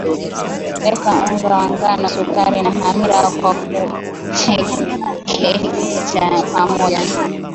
weka unga wa ngano sukari na hamira kwa kuchekecha pamoja